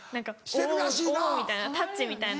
「おぉ」みたいなタッチみたいな。